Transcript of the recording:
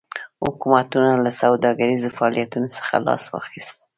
حکومتونو له سوداګریزو فعالیتونو څخه لاس واخیست.